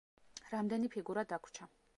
რამდენი ფიგურა დაგვრჩა.